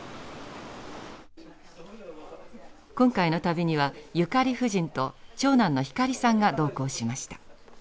今回の旅にはゆかり夫人と長男の光さんが同行しました。